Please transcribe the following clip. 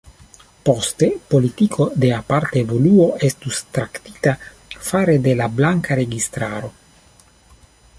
Poste politiko de aparta evoluo estus traktita fare de la blanka registaro.